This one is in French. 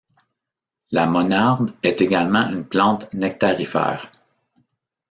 La monarde est également une plante nectarifère.